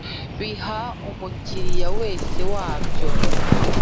Biha umukiriya wese wabyo